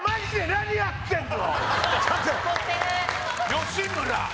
吉村。